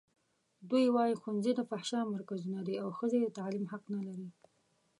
دوی وايي ښوونځي د فحشا مرکزونه دي او ښځې د تعلیم حق نه لري.